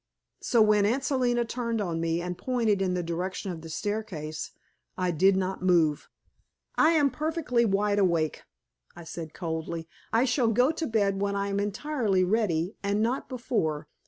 So when Aunt Selina turned on me and pointed in the direction of the staircase, I did not move. "I am perfectly wide awake," I said coldly. "I shall go to bed when I am entirely ready, and not before.